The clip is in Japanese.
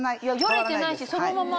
よれてないしそのまま。